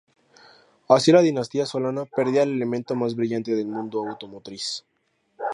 Así la dinastía Solana perdía al elemento más brillante del mundo automotriz.